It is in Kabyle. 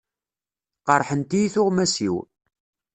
Qerrḥent-iyi tuɣmas-iw.